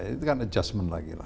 itu kan adjustment lagi lah